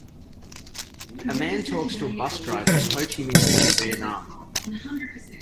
A man talks to a bus driver in Ho Chi Minh City, Vietnam.